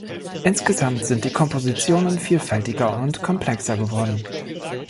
Insgesamt sind die Kompositionen vielfältiger und komplexer geworden.